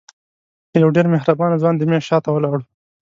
یو ډېر مهربانه ځوان د میز شاته ولاړ و.